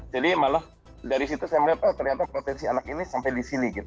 jadi malah dari situ saya melihat ternyata potensi anak ini sampai di sini gitu